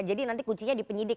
jadi nanti kuncinya di penyidik